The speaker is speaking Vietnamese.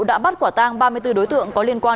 đã bắt quả tang ba mươi bốn đối tượng có liên quan